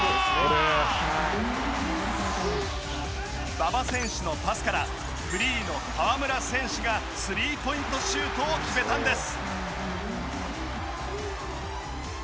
馬場選手のパスからフリーの河村選手がスリーポイントシュートを決めたんです。